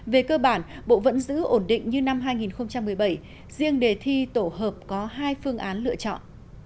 về cơ bản bộ vẫn giữ ổn định như năm hai nghìn một mươi bảy riêng đề thi tổ hợp có hai phương án lựa chọn